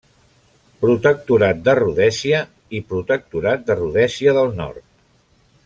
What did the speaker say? Protectorat de Rhodèsia i Protectorat de Rhodèsia del Nord.